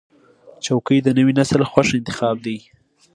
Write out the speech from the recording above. چوکۍ د نوي نسل خوښ انتخاب دی.